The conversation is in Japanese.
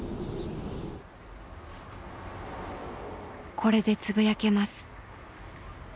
「これでつぶやけます」。